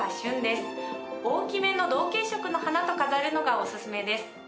大きめの同系色の花と飾るのがおすすめです。